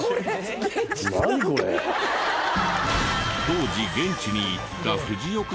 当時現地に行ったおっ！